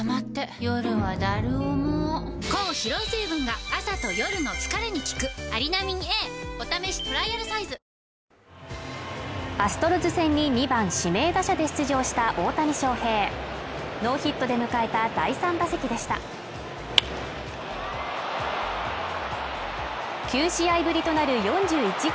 ２人とも気をつけてね家族で話そう帯状疱疹アストロズ戦に２番指名打者で出場した大谷翔平ノーヒットで迎えた第３打席でした９試合ぶりとなる４１号